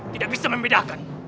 tidak bisa membedakan